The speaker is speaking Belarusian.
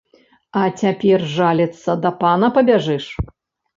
А цяпер жаліцца да пана пабяжыш?!